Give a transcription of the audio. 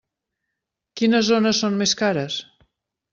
Quines zones són més cares?